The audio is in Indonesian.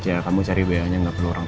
ya kamu cari ba nya nggak perlu orang